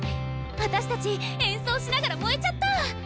私たち演奏しながら燃えちゃった！